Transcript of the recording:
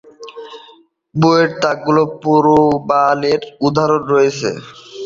বইয়ের তাকগুলোতে প্রবালের উদাহরণ রয়েছে।